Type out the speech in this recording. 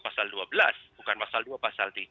pasal dua belas bukan pasal dua pasal tiga